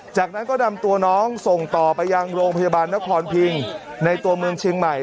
จากนั้นก็นำตัวน้องส่งต่อไปยังโรงพยาบาลนครพิงในตัวเมืองเชียงใหม่